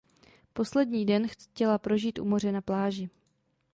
Poslední den chce prožít u moře na pláži.